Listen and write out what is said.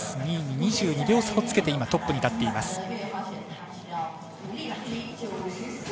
２位に２２秒差をつけてトップに立っています。